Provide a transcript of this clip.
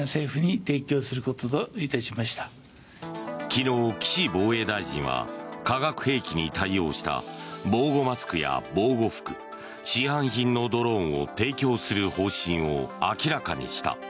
昨日、岸防衛大臣は化学兵器に対応した防護マスクや防護服市販品のドローンを提供する方針を明らかにした。